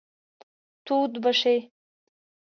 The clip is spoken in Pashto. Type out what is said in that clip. تود به شئ.